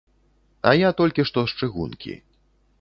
А я толькі што з чыгункі.